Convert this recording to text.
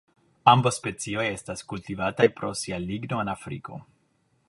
Ambaŭ specioj estas kultivataj pro sia ligno en Afriko.